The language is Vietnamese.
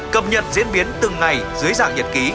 cập nhật diễn biến từng ngày dưới dạng nhật ký